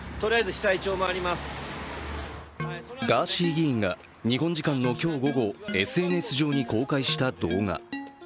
ガーシー議員が日本時間の今日午後、ＳＮＳ上に公開した動画。